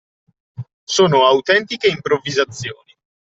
Sono autentiche improvvisazioni